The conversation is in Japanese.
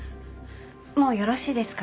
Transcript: もうよろしいですか？